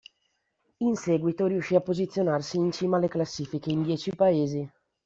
In seguito riuscì a posizionarsi in cima alle classifiche in dieci paesi.